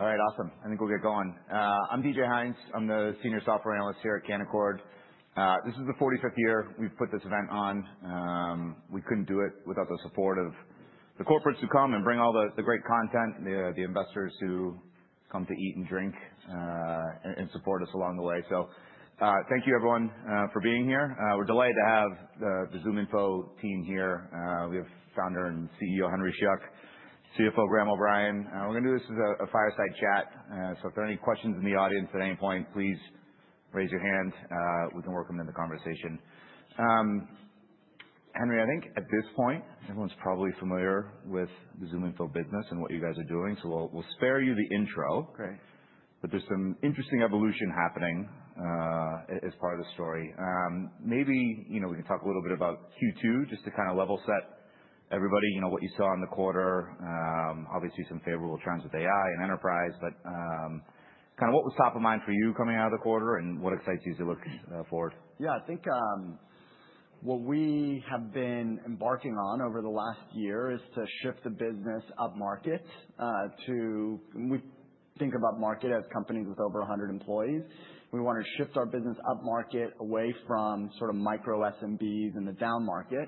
All right, awesome. I think we'll get going. I'm DJ Hynes. I'm the Senior Software Analyst here at Canaccord. This is the 45th year we've put this event on. We couldn't do it without the support of the corporates who come and bring all the great content, the investors who come to eat and drink and support us along the way, so thank you, everyone, for being here. We're delighted to have the ZoomInfo team here. We have founder and CEO Henry Schuck, CFO Graham O'Brien. We're going to do this as a fireside chat, so if there are any questions in the audience at any point, please raise your hand. We can work them into the conversation. Henry, I think at this point, everyone's probably familiar with the ZoomInfo business and what you guys are doing, so we'll spare you the intro. Great. But there's some interesting evolution happening as part of the story. Maybe we can talk a little bit about Q2, just to kind of level set everybody, what you saw in the quarter, obviously some favorable trends with AI and enterprise. But kind of what was top of mind for you coming out of the quarter, and what excites you as you look forward? Yeah, I think what we have been embarking on over the last year is to shift the business upmarket. We think about market as companies with over 100 employees. We want to shift our business upmarket away from micro SMBs and the downmarket.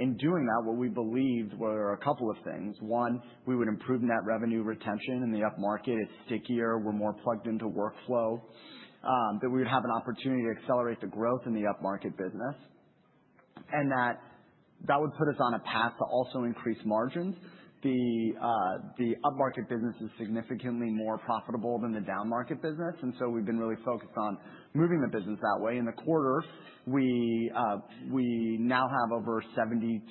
In doing that, what we believed were a couple of things. One, we would improve net revenue retention in the upmarket. It's stickier. We're more plugged into workflow. That we would have an opportunity to accelerate the growth in the upmarket business. And that would put us on a path to also increase margins. The upmarket business is significantly more profitable than the downmarket business. And so we've been really focused on moving the business that way. In the quarter, we now have over 72%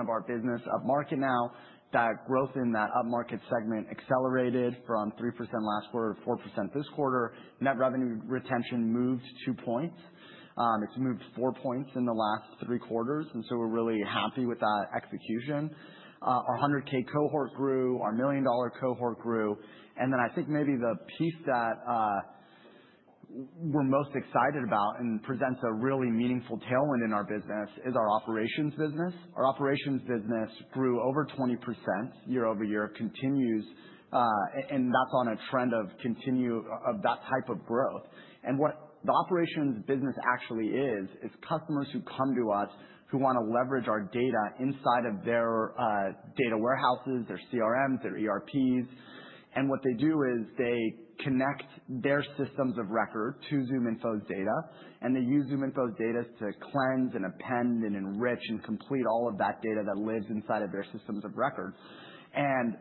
of our business upmarket now. That growth in that upmarket segment accelerated from 3% last quarter to 4% this quarter. Net revenue retention moved two points. It's moved four points in the last three quarters. And so we're really happy with that execution. Our 100K cohort grew. Our million dollar cohort grew. And then I think maybe the piece that we're most excited about and presents a really meaningful tailwind in our business is our operations business. Our operations business grew over 20% year-over-year, continues, and that's on a trend of that type of growth. And what the operations business actually is, is customers who come to us who want to leverage our data inside of their data warehouses, their CRMs, their ERPs. And what they do is they connect their systems of record to ZoomInfo's data. And they use ZoomInfo's data to cleanse and append and enrich and complete all of that data that lives inside of their systems of record. And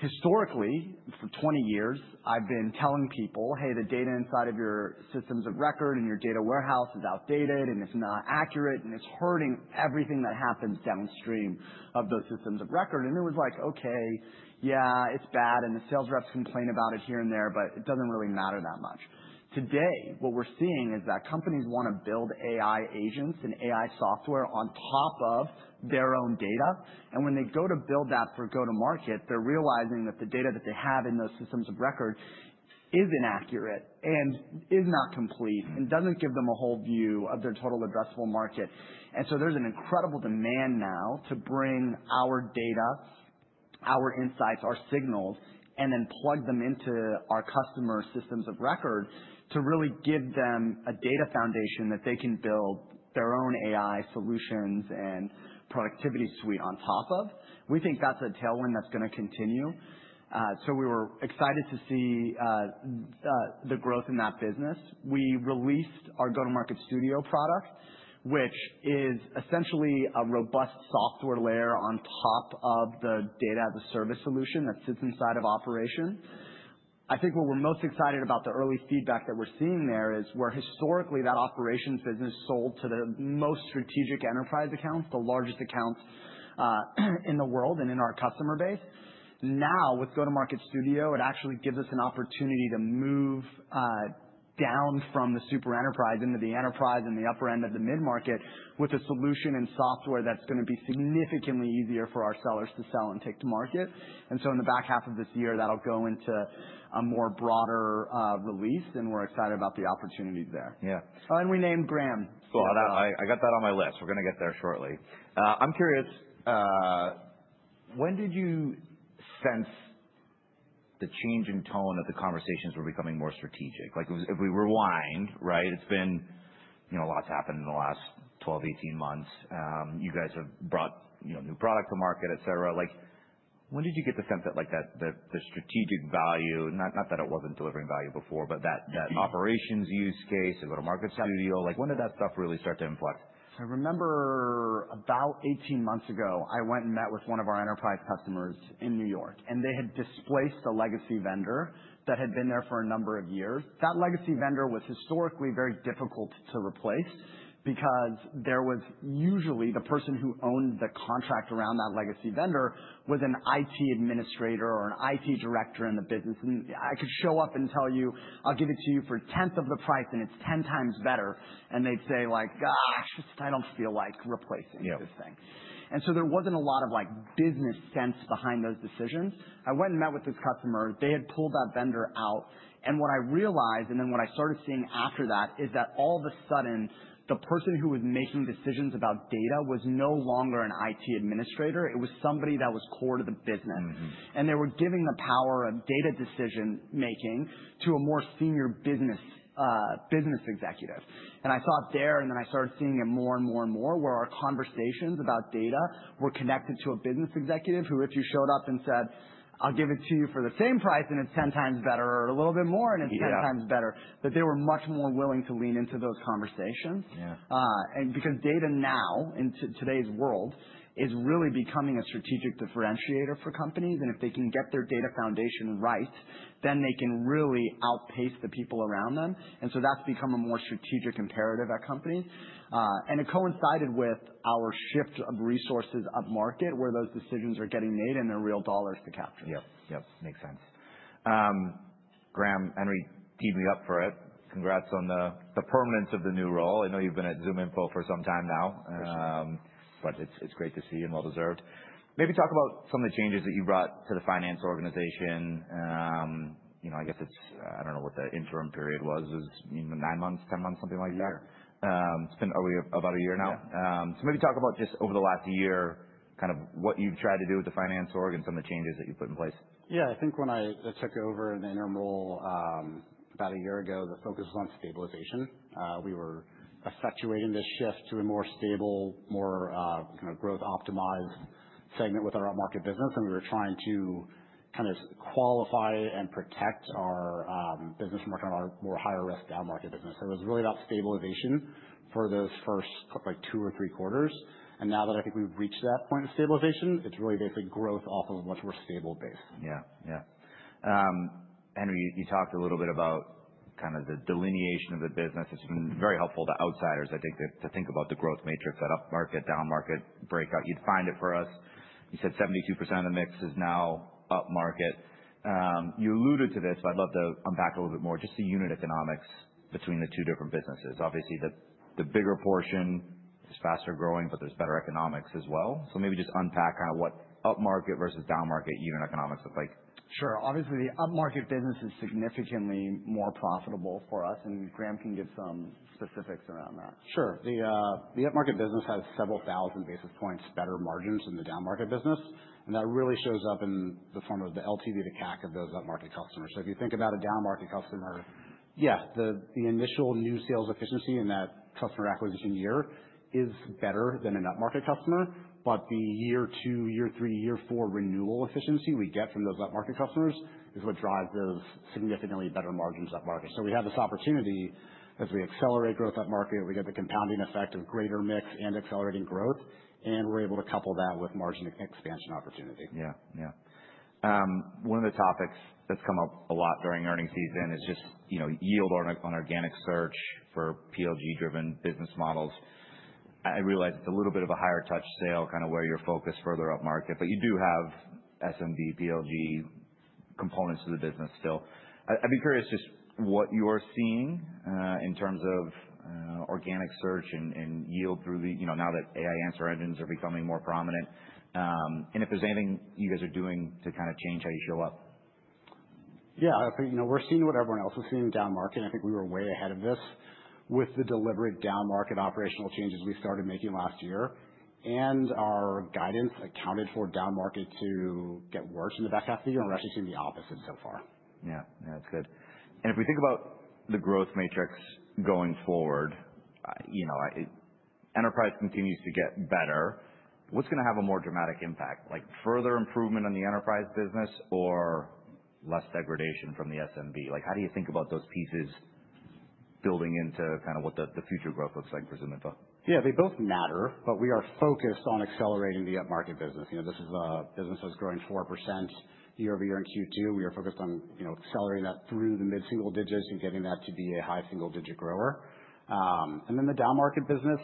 historically, for 20 years, I've been telling people, hey, the data inside of your systems of record and your data warehouse is outdated and it's not accurate and it's hurting everything that happens downstream of those systems of record. And it was like, OK, yeah, it's bad. And the sales reps complain about it here and there, but it doesn't really matter that much. Today, what we're seeing is that companies want to build AI agents and AI software on top of their own data. And when they go to build that for go-to-market, they're realizing that the data that they have in those systems of record is inaccurate and is not complete and doesn't give them a whole view of their total addressable market. And so there's an incredible demand now to bring our data, our insights, our signals, and then plug them into our customer systems of record to really give them a data foundation that they can build their own AI solutions and productivity suite on top of. We think that's a tailwind that's going to continue. So we were excited to see the growth in that business. We released our Go-to-Market Studio product, which is essentially a robust software layer on top of the data as a service solution that sits inside of operations. I think what we're most excited about, the early feedback that we're seeing there, is where historically that operations business sold to the most strategic enterprise accounts, the largest accounts in the world and in our customer base. Now, with Go-to-Market Studio, it actually gives us an opportunity to move down from the super enterprise into the enterprise and the upper end of the mid-market with a solution and software that's going to be significantly easier for our sellers to sell and take to market. And so in the back half of this year, that'll go into a more broader release. And we're excited about the opportunities there. Yeah. We named Graham. Cool. I got that on my list. We're going to get there shortly. I'm curious, when did you sense the change in tone of the conversations were becoming more strategic? If we rewind, right, it's been a lot has happened in the last 12, 18 months. You guys have brought new product to market, et cetera. When did you get the sense that the strategic value, not that it wasn't delivering value before, but that operations use case, the go-to-market studio, when did that stuff really start to inflect? I remember about 18 months ago, I went and met with one of our enterprise customers in New York. They had displaced a legacy vendor that had been there for a number of years. That legacy vendor was historically very difficult to replace because there was usually the person who owned the contract around that legacy vendor was an IT administrator or an IT director in the business. I could show up and tell you, I'll give it to you for 10th of the price, and it's 10x better. They'd say, like, gosh, I don't feel like replacing this thing. There wasn't a lot of business sense behind those decisions. I went and met with this customer. They had pulled that vendor out. What I realized, and then what I started seeing after that, is that all of a sudden, the person who was making decisions about data was no longer an IT administrator. It was somebody that was core to the business. They were giving the power of data decision-making to a more senior business executive. I thought there, and then I started seeing it more and more and more, where our conversations about data were connected to a business executive who, if you showed up and said, I'll give it to you for the same price, and it's 10x better, or a little bit more, and it's 10x better, that they were much more willing to lean into those conversations. Because data now, in today's world, is really becoming a strategic differentiator for companies. If they can get their data foundation right, then they can really outpace the people around them. So that's become a more strategic imperative at companies. It coincided with our shift of resources upmarket, where those decisions are getting made and they're real dollars to capture. Yep, yep. Makes sense. Graham, Henry, teed me up for it. Congrats on the permanence of the new role. I know you've been at ZoomInfo for some time now. Appreciate it. But it's great to see you, and well deserved. Maybe talk about some of the changes that you brought to the finance organization. I guess it's, I don't know what the interim period was, nine months, 10 months, something like that? Yeah. It's been about a year now. So maybe talk about just over the last year, kind of what you've tried to do with the finance org and some of the changes that you put in place. Yeah, I think when I took over the interim role about a year ago, the focus was on stabilization. We were effectuating this shift to a more stable, more growth-optimized segment with our upmarket business. And we were trying to kind of qualify and protect our business from working on our more higher risk downmarket business. So it was really about stabilization for those first two or three quarters. And now that I think we've reached that point of stabilization, it's really basically growth off of much more stable base. Yeah, yeah. Henry, you talked a little bit about kind of the delineation of the business. It's been very helpful to outsiders, I think, to think about the growth matrix at upmarket, downmarket, breakout. You define it for us. You said 72% of the mix is now upmarket. You alluded to this, but I'd love to unpack a little bit more, just the unit economics between the two different businesses. Obviously, the bigger portion is faster growing, but there's better economics as well. So maybe just unpack kind of what upmarket versus downmarket unit economics look like. Sure. Obviously, the upmarket business is significantly more profitable for us, and Graham can give some specifics around that. Sure. The upmarket business has several thousand basis points better margins than the downmarket business, and that really shows up in the form of the LTV to CAC of those upmarket customers, so if you think about a downmarket customer, yeah, the initial new sales efficiency in that customer acquisition year is better than an upmarket customer, but the year two, year three, year four renewal efficiency we get from those upmarket customers is what drives those significantly better margins upmarket, so we have this opportunity as we accelerate growth upmarket. We get the compounding effect of greater mix and accelerating growth, and we're able to couple that with margin expansion opportunity. Yeah, yeah. One of the topics that's come up a lot during earnings season is just yield on organic search for PLG-driven business models. I realize it's a little bit of a higher touch sale, kind of where you're focused further upmarket. But you do have SMB, PLG components to the business still. I'd be curious just what you're seeing in terms of organic search and yield through the noise now that AI answer engines are becoming more prominent. And if there's anything you guys are doing to kind of change how you show up? Yeah, I think we're seeing what everyone else is seeing in downmarket. I think we were way ahead of this with the deliberate downmarket operational changes we started making last year. And our guidance accounted for downmarket to get worse in the back half of the year. And we're actually seeing the opposite so far. Yeah, yeah, that's good. And if we think about the growth matrix going forward, enterprise continues to get better. What's going to have a more dramatic impact, like further improvement on the enterprise business or less degradation from the SMB? How do you think about those pieces building into kind of what the future growth looks like for ZoomInfo? Yeah, they both matter. But we are focused on accelerating the upmarket business. This is a business that's growing 4% year-over-year in Q2. We are focused on accelerating that through the mid-single digits and getting that to be a high single digit grower. And then the downmarket business,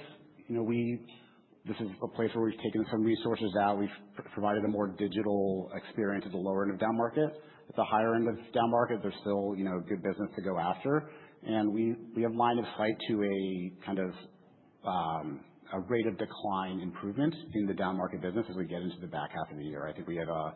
this is a place where we've taken some resources out. We've provided a more digital experience at the lower end of downmarket. At the higher end of downmarket, there's still good business to go after. And we have line of sight to a kind of a rate of decline improvement in the downmarket business as we get into the back half of the year. I think we had an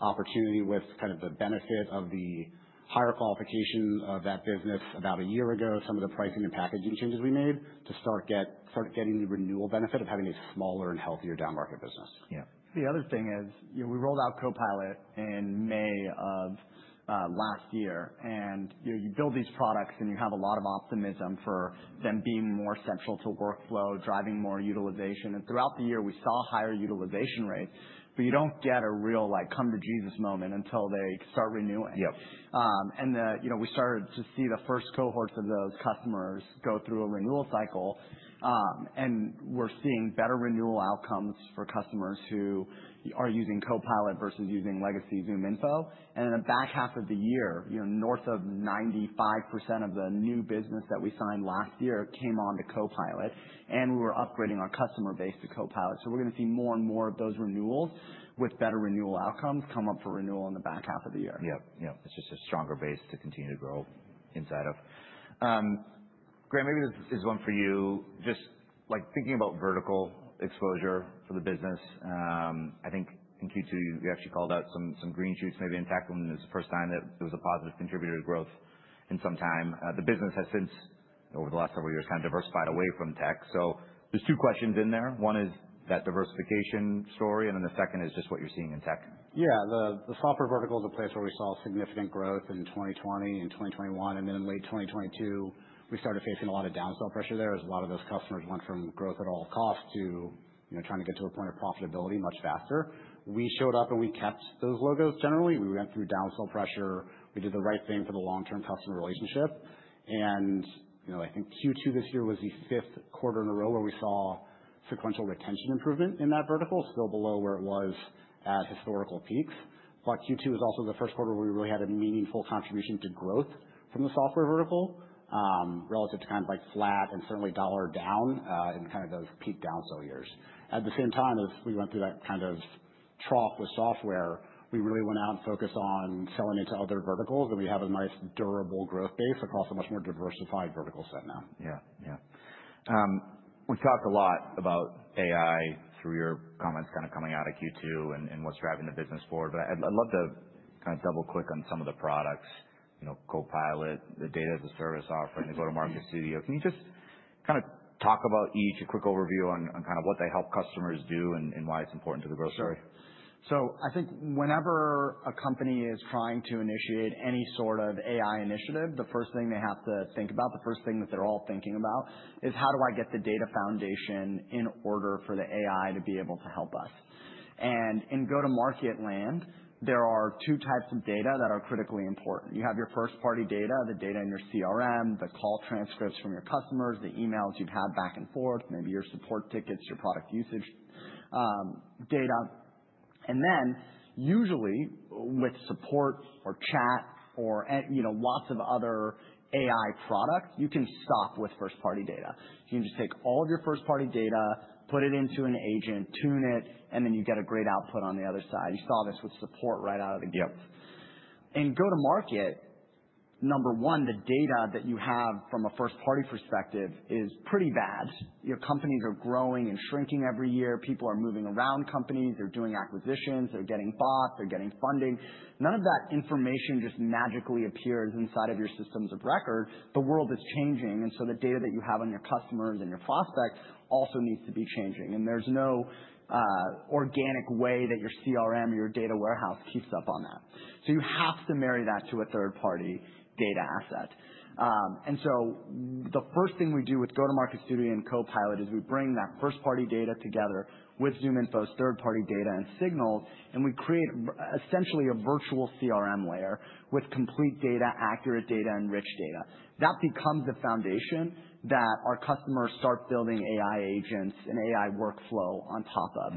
opportunity with kind of the benefit of the higher qualification of that business about a year ago, some of the pricing and packaging changes we made to start getting the renewal benefit of having a smaller and healthier downmarket business. Yeah. The other thing is we rolled out Copilot in May of last year. And you build these products, and you have a lot of optimism for them being more central to workflow, driving more utilization. And throughout the year, we saw higher utilization rates. But you don't get a real come to Jesus moment until they start renewing. And we started to see the first cohorts of those customers go through a renewal cycle. And we're seeing better renewal outcomes for customers who are using Copilot versus using legacy ZoomInfo. And in the back half of the year, north of 95% of the new business that we signed last year came on to Copilot. And we were upgrading our customer base to Copilot. So we're going to see more and more of those renewals with better renewal outcomes come up for renewal in the back half of the year. Yep, yep. It's just a stronger base to continue to grow inside of. Graham, maybe this is one for you. Just thinking about vertical exposure for the business, I think in Q2, you actually called out some green shoots. Maybe in tech was the first time that it was a positive contributor to growth in some time. The business has since, over the last several years, kind of diversified away from tech, so there's two questions in there. One is that diversification story and then the second is just what you're seeing in tech. Yeah, the software vertical is a place where we saw significant growth in 2020 and 2021, and then in late 2022, we started facing a lot of downsell pressure there as a lot of those customers went from growth at all costs to trying to get to a point of profitability much faster. We showed up, and we kept those logos generally. We went through downsell pressure. We did the right thing for the long-term customer relationship, and I think Q2 this year was the fifth quarter in a row where we saw sequential retention improvement in that vertical, still below where it was at historical peaks, but Q2 is also the first quarter where we really had a meaningful contribution to growth from the software vertical relative to kind of like flat and certainly dollar down in kind of those peak downsell years. At the same time as we went through that kind of trough with software, we really went out and focused on selling into other verticals. And we have a nice durable growth base across a much more diversified vertical set now. Yeah, yeah. We've talked a lot about AI through your comments kind of coming out of Q2 and what's driving the business forward. But I'd love to kind of double-click on some of the products, Copilot, the data as a service offering, the Go-to-Market Studio. Can you just kind of talk about each, a quick overview on kind of what they help customers do and why it's important to the growth story? Sure. So I think whenever a company is trying to initiate any sort of AI initiative, the first thing they have to think about, the first thing that they're all thinking about, is how do I get the data foundation in order for the AI to be able to help us? And in go-to-market land, there are two types of data that are critically important. You have your first-party data, the data in your CRM, the call transcripts from your customers, the emails you've had back and forth, maybe your support tickets, your product usage data. And then usually with support or chat or lots of other AI products, you can stop with first-party data. You can just take all of your first-party data, put it into an agent, tune it, and then you get a great output on the other side. You saw this with support right out of the gate. In go-to-market, number one, the data that you have from a first-party perspective is pretty bad. Companies are growing and shrinking every year. People are moving around companies. They're doing acquisitions. They're getting bought. They're getting funding. None of that information just magically appears inside of your systems of record. The world is changing. And so the data that you have on your customers and your prospects also needs to be changing. And there's no organic way that your CRM or your data warehouse keeps up on that. So you have to marry that to a third-party data asset. And so the first thing we do with Go-to-Market Studio and Copilot is we bring that first-party data together with ZoomInfo's third-party data and signals. And we create essentially a virtual CRM layer with complete data, accurate data, and rich data. That becomes the foundation that our customers start building AI agents and AI workflow on top of.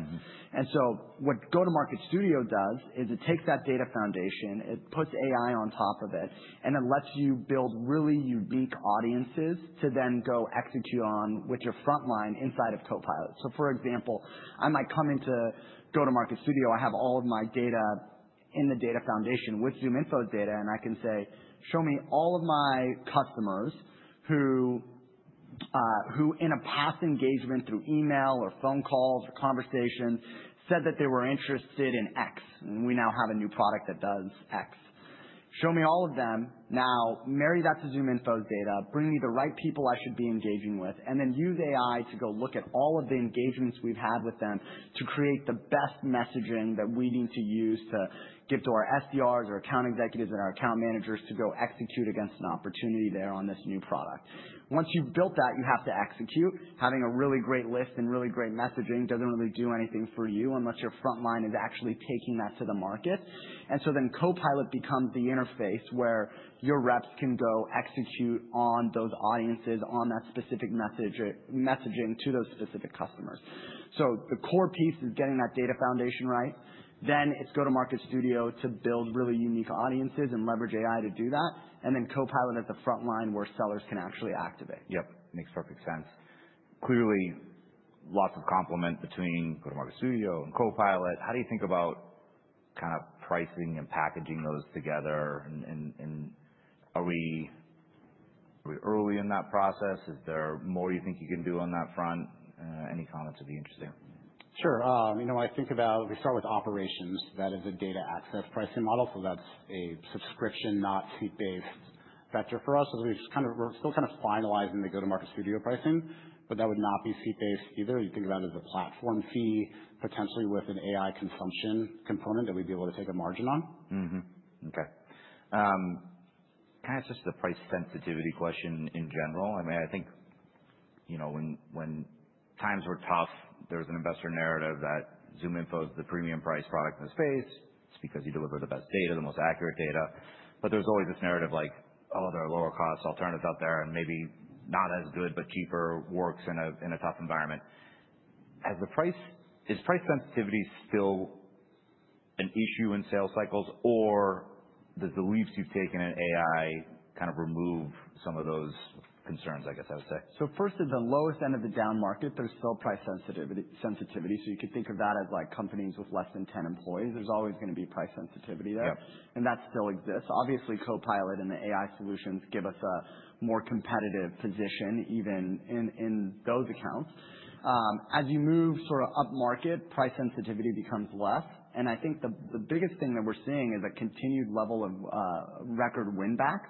And so what Go-to-Market Studio does is it takes that data foundation, it puts AI on top of it, and it lets you build really unique audiences to then go execute on with your front line inside of Copilot. So for example, I might come into Go-to-Market Studio. I have all of my data in the data foundation with ZoomInfo's data. And I can say, show me all of my customers who in a past engagement through email or phone calls or conversations said that they were interested in X. And we now have a new product that does X. Show me all of them. Now marry that to ZoomInfo's data. Bring me the right people I should be engaging with. And then use AI to go look at all of the engagements we've had with them to create the best messaging that we need to use to give to our SDR or account executives and our account managers to go execute against an opportunity there on this new product. Once you've built that, you have to execute. Having a really great list and really great messaging doesn't really do anything for you unless your front line is actually taking that to the market. And so then Copilot becomes the interface where your reps can go execute on those audiences on that specific messaging to those specific customers. So the core piece is getting that data foundation right. Then it's Go-to-Market Studio to build really unique audiences and leverage AI to do that. And then Copilot at the front line where sellers can actually activate. Yep, makes perfect sense. Clearly, lots of complement between Go-to-Market Studio and Copilot. How do you think about kind of pricing and packaging those together? And are we early in that process? Is there more you think you can do on that front? Any comments would be interesting. Sure. You know, I think about we start with operations. That is a data access pricing model. So that's a subscription, not seat-based vector for us. So we're still kind of finalizing the Go-to-Market Studio pricing. But that would not be seat-based either. You think about it as a platform fee, potentially with an AI consumption component that we'd be able to take a margin on. OK. Kind of just the price sensitivity question in general. I mean, I think when times were tough, there was an investor narrative that ZoomInfo is the premium price product in the space. It's because you deliver the best data, the most accurate data. But there's always this narrative like, oh, there are lower-cost alternatives out there. And maybe not as good but cheaper works in a tough environment. Is price sensitivity still an issue in sales cycles? Or does the leaps you've taken in AI kind of remove some of those concerns, I guess I would say? So first, at the lowest end of the downmarket, there's still price sensitivity. So you could think of that as companies with less than 10 employees. There's always going to be price sensitivity there. And that still exists. Obviously, Copilot and the AI solutions give us a more competitive position even in those accounts. As you move sort of upmarket, price sensitivity becomes less. And I think the biggest thing that we're seeing is a continued level of record win-backs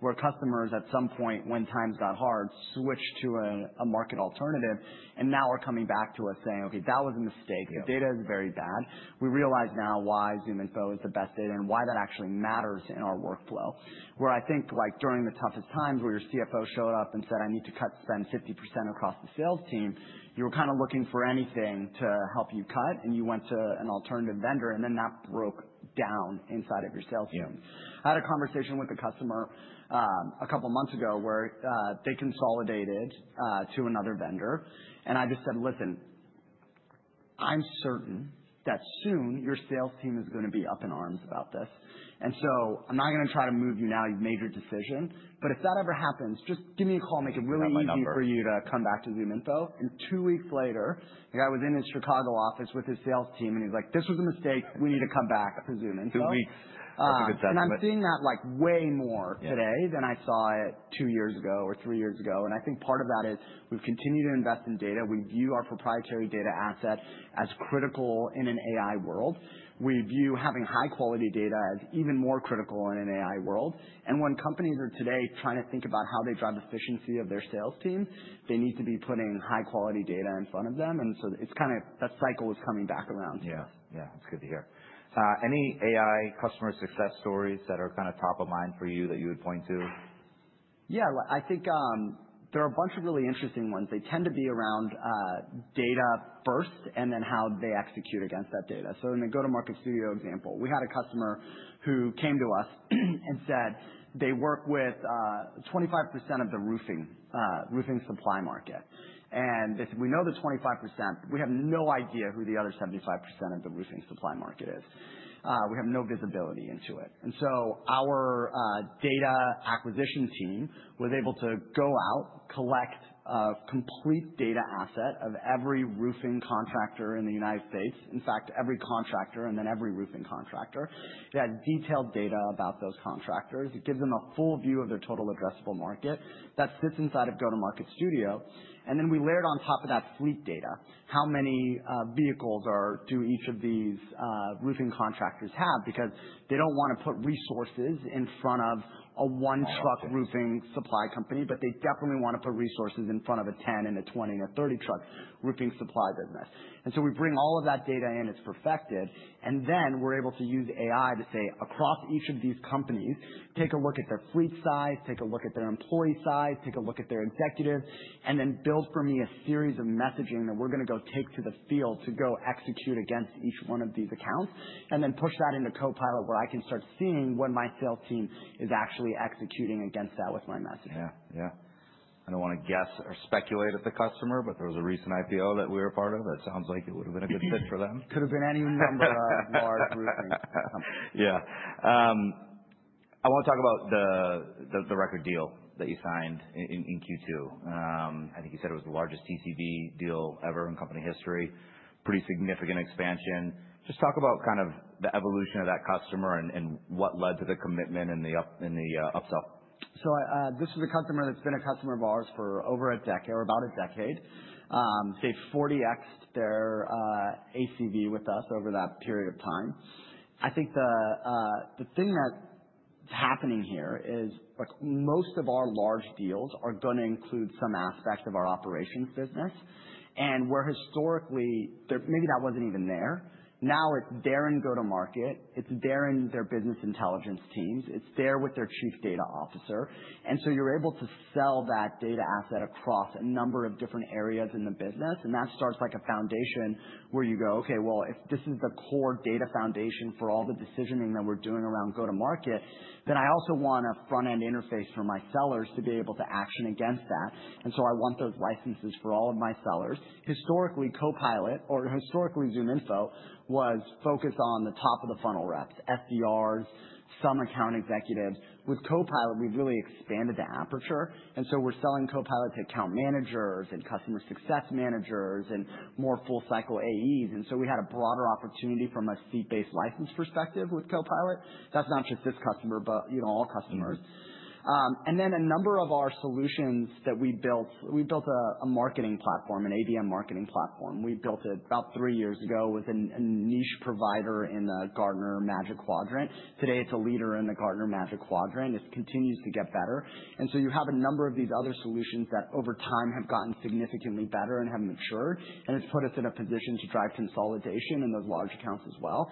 where customers at some point, when times got hard, switched to a market alternative. And now are coming back to us saying, OK, that was a mistake. The data is very bad. We realize now why ZoomInfo is the best data and why that actually matters in our workflow. Where I think during the toughest times where your CFO showed up and said, "I need to cut spend 50% across the sales team," you were kind of looking for anything to help you cut. And you went to an alternative vendor. And then that broke down inside of your sales team. I had a conversation with a customer a couple of months ago where they consolidated to another vendor. And I just said, "listen, I'm certain that soon your sales team is going to be up in arms about this." And so I'm not going to try to move you now. You've made your decision. But if that ever happens, just give me a call. Make it really easy for you to come back to ZoomInfo. And two weeks later, the guy was in his Chicago office with his sales team. And he's like, "this was a mistake. We need to come back to ZoomInfo. Two weeks. That's a good session. I'm seeing that way more today than I saw it two years ago or three years ago. I think part of that is we've continued to invest in data. We view our proprietary data asset as critical in an AI world. We view having high-quality data as even more critical in an AI world. When companies are today trying to think about how they drive efficiency of their sales teams, they need to be putting high-quality data in front of them. It's kind of that cycle is coming back around to us. Yeah, yeah. That's good to hear. Any AI customer success stories that are kind of top of mind for you that you would point to? Yeah, I think there are a bunch of really interesting ones. They tend to be around data-first and then how they execute against that data. So in the Go-to-Market Studio example, we had a customer who came to us and said they work with 25% of the roofing supply market. And they said, we know the 25%. We have no idea who the other 75% of the roofing supply market is. We have no visibility into it. And so our data acquisition team was able to go out, collect a complete data asset of every roofing contractor in the United States, in fact, every contractor, and then every roofing contractor. They had detailed data about those contractors. It gives them a full view of their total addressable market that sits inside of Go-to-Market Studio. And then we layered on top of that fleet data, how many vehicles do each of these roofing contractors have? Because they don't want to put resources in front of a one-truck roofing supply company. But they definitely want to put resources in front of a 10 and a 20 and a 30-truck roofing supply business. And so we bring all of that data in. It's perfected. And then we're able to use AI to say, across each of these companies, take a look at their fleet size, take a look at their employee size, take a look at their executives, and then build for me a series of messaging that we're going to go take to the field to go execute against each one of these accounts and then push that into Copilot where I can start seeing what my sales team is actually executing against that with my messaging. Yeah, yeah. I don't want to guess or speculate at the customer, but there was a recent IPO that we were part of. That sounds like it would have been a good fit for them. Could have been any number of large roofing companies. Yeah. I want to talk about the record deal that you signed in Q2. I think you said it was the largest TCV deal ever in company history. Pretty significant expansion. Just talk about kind of the evolution of that customer and what led to the commitment and the upsell. So this is a customer that's been a customer of ours for over a decade or about a decade. They've 40xed their ACV with us over that period of time. I think the thing that's happening here is most of our large deals are going to include some aspect of our operations business. And where historically maybe that wasn't even there, now it's there in go-to-market. It's there in their business intelligence teams. It's there with their chief data officer. And so you're able to sell that data asset across a number of different areas in the business. And that starts like a foundation where you go, OK, well, if this is the core data foundation for all the decisioning that we're doing around go-to-market, then I also want a front-end interface for my sellers to be able to action against that. And so I want those licenses for all of my sellers. Historically, Copilot or historically ZoomInfo was focused on the top of the funnel reps, SDR, some account executives. With Copilot, we've really expanded the aperture. And so we're selling Copilot to account managers and customer success managers and more full-cycle AEs. And so we had a broader opportunity from a seat-based license perspective with Copilot. That's not just this customer, but all customers. And then a number of our solutions that we built, we built a marketing platform, an ABM marketing platform. We built it about three years ago with a niche provider in the Gartner Magic Quadrant. Today, it's a leader in the Gartner Magic Quadrant. It continues to get better. And so you have a number of these other solutions that over time have gotten significantly better and have matured. And it's put us in a position to drive consolidation in those large accounts as well.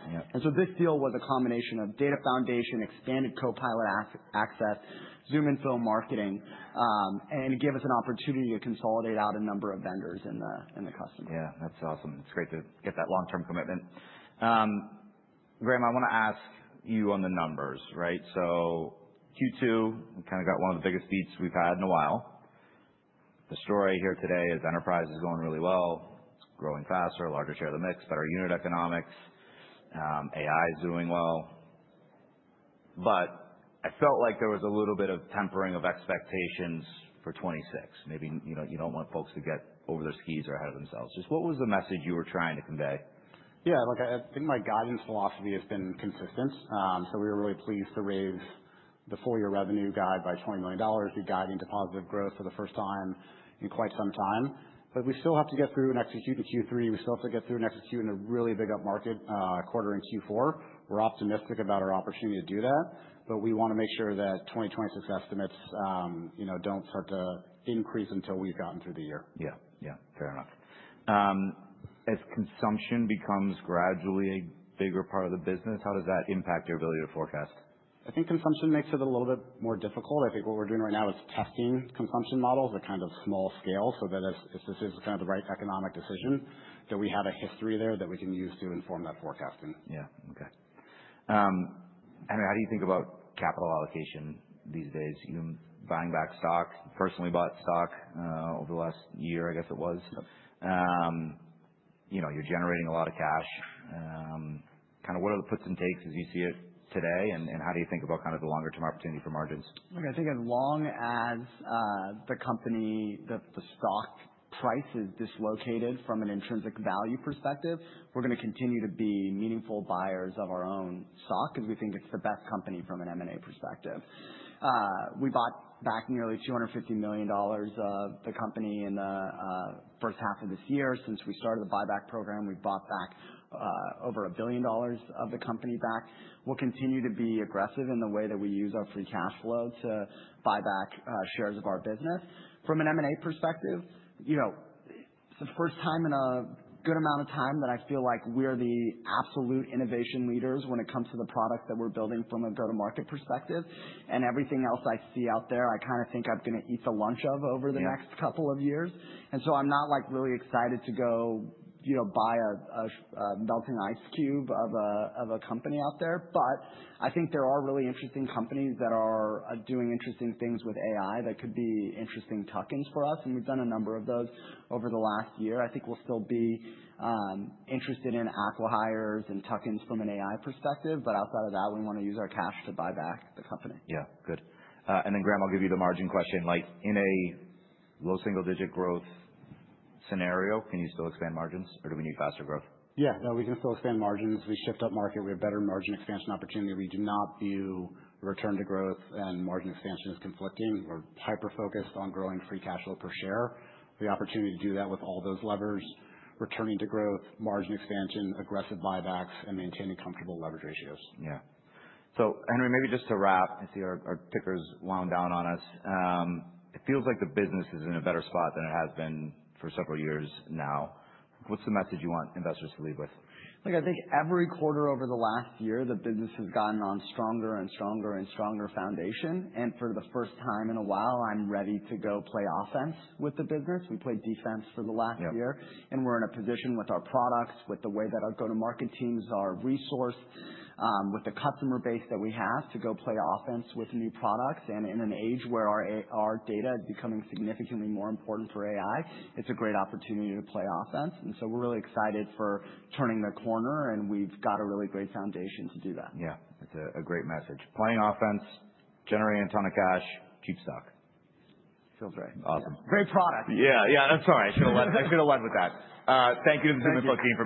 And so this deal was a combination of data foundation, expanded Copilot access, ZoomInfo Marketing, and it gave us an opportunity to consolidate out a number of vendors in the customer. Yeah, that's awesome. It's great to get that long-term commitment. Graham, I want to ask you on the numbers, right? So Q2, we kind of got one of the biggest beats we've had in a while. The story here today is enterprise is going really well, growing faster, a larger share of the mix, better unit economics. AI is doing well. But I felt like there was a little bit of tempering of expectations for 2026. Maybe you don't want folks to get over their skis or ahead of themselves. Just what was the message you were trying to convey? Yeah, I think my guidance philosophy has been consistent. So we were really pleased to raise the full-year revenue guide by $20 million. We guide into positive growth for the first time in quite some time. But we still have to get through and execute in Q3. We still have to get through and execute in a really big upmarket quarter in Q4. We're optimistic about our opportunity to do that. But we want to make sure that 20/20 success estimates don't start to increase until we've gotten through the year. Yeah, yeah. Fair enough. As consumption becomes gradually a bigger part of the business, how does that impact your ability to forecast? I think consumption makes it a little bit more difficult. I think what we're doing right now is testing consumption models at kind of small scale so that if this is kind of the right economic decision, that we have a history there that we can use to inform that forecasting. Yeah, OK. How do you think about capital allocation these days? Buying back stock? You personally bought stock over the last year, I guess it was. You're generating a lot of cash. Kind of what are the puts and takes as you see it today? And how do you think about kind of the longer-term opportunity for margins? I think as long as the company that the stock price is dislocated from an intrinsic value perspective, we're going to continue to be meaningful buyers of our own stock because we think it's the best company from an M&A perspective. We bought back nearly $250 million of the company in the first half of this year. Since we started the buyback program, we bought back over $1 billion of the company. We'll continue to be aggressive in the way that we use our free cash flow to buy back shares of our business. From an M&A perspective, it's the first time in a good amount of time that I feel like we're the absolute innovation leaders when it comes to the product that we're building from a go-to-market perspective. And everything else I see out there, I kind of think I'm going to eat the lunch of over the next couple of years. And so I'm not really excited to go buy a melting ice cube of a company out there. But I think there are really interesting companies that are doing interesting things with AI that could be interesting tuck-ins for us. And we've done a number of those over the last year. I think we'll still be interested in acqui-hires and tuck-ins from an AI perspective. But outside of that, we want to use our cash to buy back the company. Yeah, good. And then, Graham, I'll give you the margin question. In a low single-digit growth scenario, can you still expand margins? Or do we need faster growth? Yeah, no, we can still expand margins. We shift upmarket. We have better margin expansion opportunity. We do not view return to growth and margin expansion as conflicting. We're hyper-focused on growing free cash flow per share. The opportunity to do that with all those levers, returning to growth, margin expansion, aggressive buybacks, and maintaining comfortable leverage ratios. Yeah. So Henry, maybe just to wrap, I see our tickers wound down on us. It feels like the business is in a better spot than it has been for several years now. What's the message you want investors to leave with? I think every quarter over the last year, the business has gotten a stronger and stronger and stronger foundation, and for the first time in a while, I'm ready to go play offense with the business. We played defense for the last year, and we're in a position with our products, with the way that our go-to-market teams are resourced, with the customer base that we have to go play offense with new products. And in an age where our data is becoming significantly more important for AI, it's a great opportunity to play offense, and so we're really excited for turning the corner. And we've got a really great foundation to do that. Yeah, it's a great message. Playing offense, generating a ton of cash, keep stock. Feels right. Awesome. Great product. Yeah, yeah. I'm sorry. I should have led with that. Thank you to the ZoomInfo team.